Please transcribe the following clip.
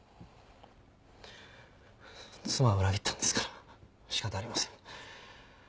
妻を裏切ったんですから仕方ありません。